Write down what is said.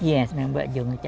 iya sedang membuat jong